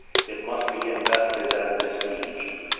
It must be invested and besieged.